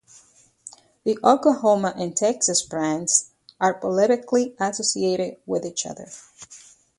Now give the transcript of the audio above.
The Oklahoma and Texas bands are politically associated with each other.